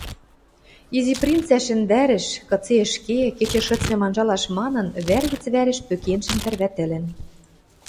Изи принц ӓшӹндӓрӹш, кыце ӹшке, кечӹ шӹцмӹм анжалаш манын, вӓр гӹц вӓрӹш пӧкенжӹм тӓрвӓтӹлӹн.